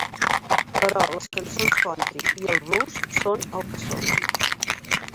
Però les cançons country i el blues són el que són.